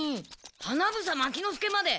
花房牧之介まで。